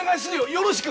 よろしく。